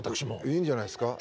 いいんじゃないですか